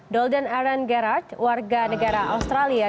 dolden aren gerard warga negara australia